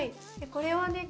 これはね